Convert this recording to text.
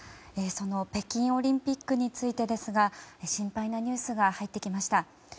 その北京オリンピックについてですが心配なニュースが入ってきました。